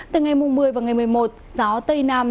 từ ngày một mươi và ngày một mươi một gió tây nam